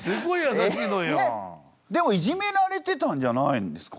でもいじめられてたんじゃないんですか？